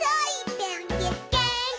「げーんき」